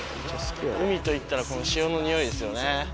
海といったらこの潮のにおいですよね。